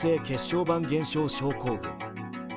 小板減少症候群。